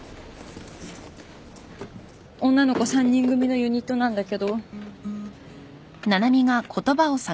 女の子３人組のユニットなんだけど。